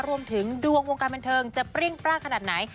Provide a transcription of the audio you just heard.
รวมถึงดวงวงการบันเทิงจะเปรี้ยงปร่างขนาดไหน